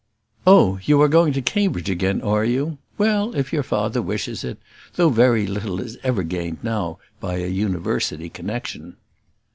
"Oh! you are going to Cambridge again, are you? Well, if your father wishes it; though very little is ever gained now by a university connexion."